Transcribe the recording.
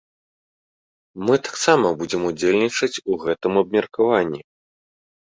Мы таксама будзем удзельнічаць у гэтым абмеркаванні.